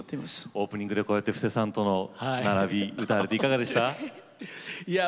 オープニングで布施明さんとの並び歌われていかがでしたか。